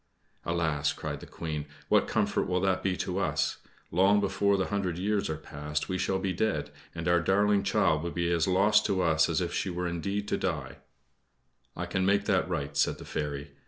"Alas!" cried the Queen, "what comfort will that be to us? Long before the hundred years are past we shall be dead, and our darling child will be as lost to us as if she were indeed to die!" "I can make that right," said the fairy.